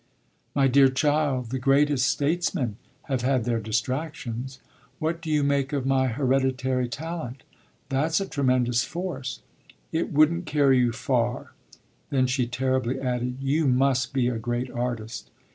"My dear child, the greatest statesmen have had their distractions. What do you make of my hereditary talent? That's a tremendous force." "It wouldn't carry you far." Then she terribly added, "You must be a great artist."